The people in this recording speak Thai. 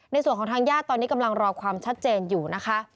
ในส่วนของทางญาติตอนนี้กำลังรอความชัดเจนอยู่นะคะ